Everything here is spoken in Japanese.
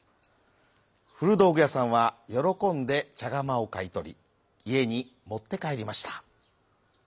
ふるどうぐやさんはよろこんでちゃがまをかいとりいえにもってかえりました。